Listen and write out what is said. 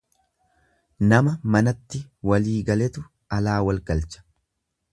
Nama manatti walii galetu alaa wal galcha.